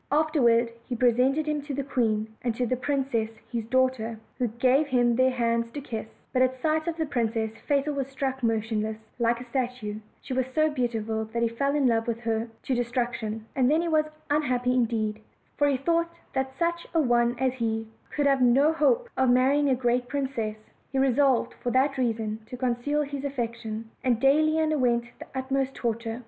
Afterward he presented him to the queen, and to the princess his daughter, who gave him their hands to kiss; but at sight of the princess Fatal was struck motionless like a statue: she was so beautiful that he fell in love with her to distraction; and then he was unhappy in deed, for he thought that such a one as he could have no hope of marrying a great princess: he resolved, for that reason, to conceal his affection, and daily underwent the utmost torture.